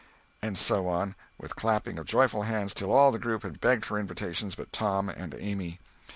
And so on, with clapping of joyful hands till all the group had begged for invitations but Tom and Amy.